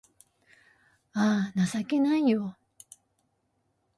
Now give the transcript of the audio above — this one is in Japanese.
あぁ、情けないよ